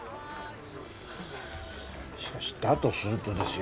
しかしだとするとですよ。